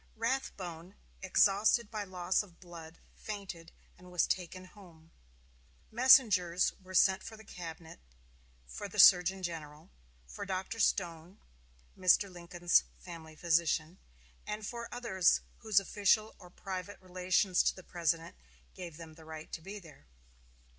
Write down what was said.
Rathbone, exhausted by loss of blood, fainted, and was taken home. Messengers were sent for the cabinet, for the surgeon general, for Dr. Stone, Mr. Lincoln's family physician, and for others whose official or private relations to the President gave them the right to be there.